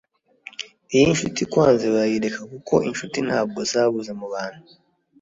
Iyo inshuti ikwanze, urayireka kuko inshuti ntabwo zabuze mubantu